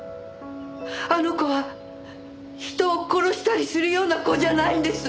あの子は人を殺したりするような子じゃないんです！